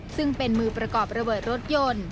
ซึ่งเป็นมือประกอบระเบิดรถยนต์